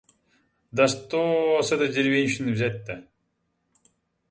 Да что с этой деревенщины взять-то?